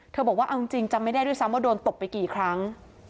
บอกว่าเอาจริงจำไม่ได้ด้วยซ้ำว่าโดนตบไปกี่ครั้ง